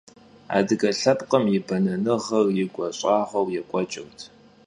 Adıge lhepkhım yi benenığer yi guaş'eğueu yêk'ueç'ırt.